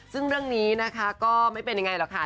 ซึ่งเรื่องนี้นะคะก็ไม่เป็นยังไงหรอกค่ะ